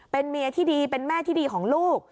เป็นเมียที่ดีเป็นแม่ที่ดีของลูก